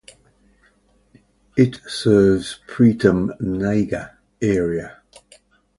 It serves Pritam Nagar area.